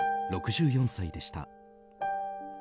６４歳でした。